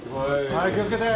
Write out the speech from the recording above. はい気を付けて。